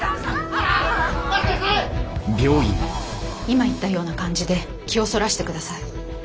今言ったような感じで気をそらして下さい。